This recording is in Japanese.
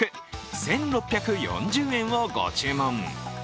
１６４０円をご注文。